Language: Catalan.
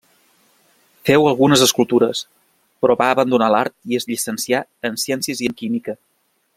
Féu algunes escultures, però va abandonar l'art i es llicencià en ciències i en química.